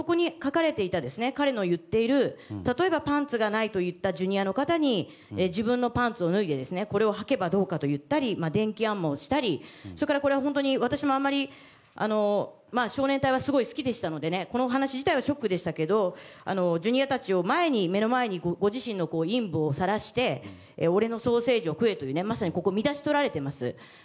そこに書かれていた彼の言っている例えば、パンツがないといったＪｒ．の方に自分のパンツを脱いでこれをはけばどうかと言ったり電気あんまをしたり私もあまり少年隊は好きでしたのでこの話自体はショックでしたがＪｒ．たちを目の前にご自身の陰部をさらして俺のソーセージを食えとまさにここは見出しをとられています。